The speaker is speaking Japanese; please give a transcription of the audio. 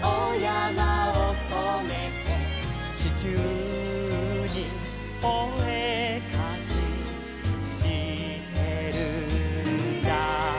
「ちきゅうにおえかきしてるんだ」